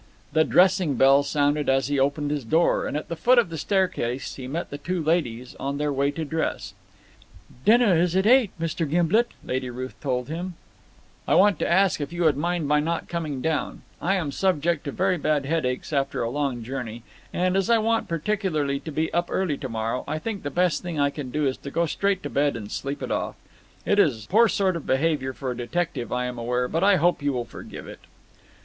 The dressing bell sounded as he opened his door, and at the foot of the staircase he met the two ladies on their way to dress. "Dinner is at eight, Mr. Gimblet," Lady Ruth told him. "I was just coming to find you," Gimblet answered her. "I want to ask if you would mind my not coming down? I am subject to very bad headaches after a long journey; and, as I want particularly to be up early to morrow, I think the best thing I can do is to go straight to bed and sleep it off. It is poor sort of behaviour for a detective, I am aware, but I hope you will forgive it."